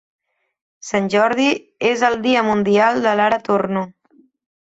Sant Jordi és el dia mundial de l'ara torno.